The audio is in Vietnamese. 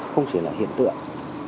không chỉ là hiện tượng